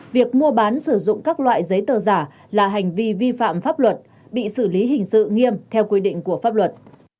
việc mua bán sử dụng các loại giấy tờ giả là hành vi vi phạm pháp luật bị xử lý hình sự nghiêm theo quy định của pháp luật